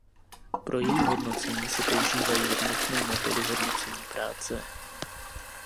Pro její hodnocení se používají jednotné metody hodnocení práce.